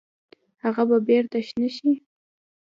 هغه به بیرته شنه شي؟